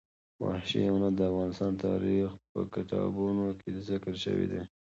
وحشي حیوانات د افغان تاریخ په کتابونو کې ذکر شوي دي.